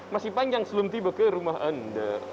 masih panjang sebelum tiba ke rumah anda